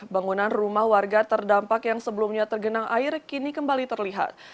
bangunan rumah warga terdampak yang sebelumnya tergenang air kini kembali terlihat